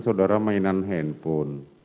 saudara mainan handphone